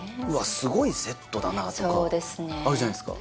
すごいセットだなとかそうですねあるじゃないですか